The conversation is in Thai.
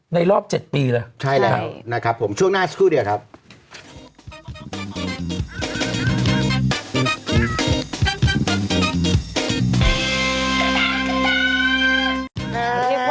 ในรอบ๗ปีใช่แล้วนะครับผมช่วงน่าช่วยด้วยครับ